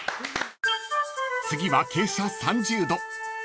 ［次は傾斜３０度］